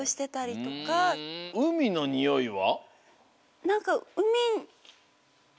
うみのにおいは？